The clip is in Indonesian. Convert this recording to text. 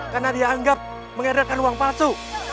karena dia anggap menghadirkan uang palsu